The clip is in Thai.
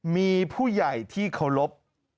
มีผู้ใหญ่ที่เคารพ